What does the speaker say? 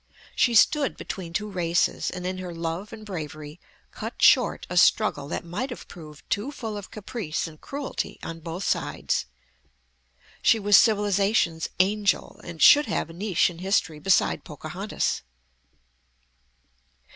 She stood between two races, and in her love and bravery cut short a struggle that might have proved too full of caprice and cruelty on both sides. She was civilization's angel, and should have a niche in history beside Pocahontas.